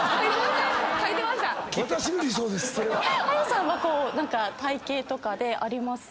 ＡＹＡさんは何か体形とかであります？